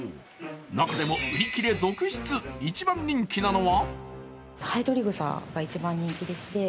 中でも売り切れ続出、一番人気なのは？